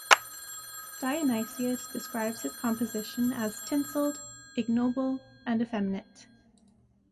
Dionysius describes his composition as tinselled, ignoble and effeminate.